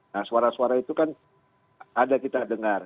nah suara suara itu kan ada kita dengar